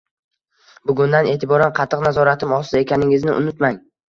Bugundan e'tiboran qattiq nazoratim ostida ekaningizni unutmang